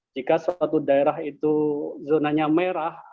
jika suatu daerah itu zonanya merah